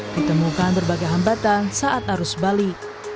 ditemukan berbagai hambatan saat arus balik